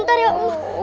ini gara gara tamu